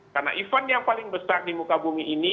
karena ivan yang paling besar di muka bumi ini